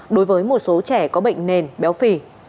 đối với một số trẻ có bệnh nền béo phì